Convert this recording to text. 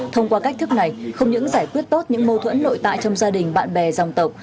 thông qua cách thức này không những giải quyết tốt những mâu thuẫn nội tại trong gia đình bạn bè dòng tộc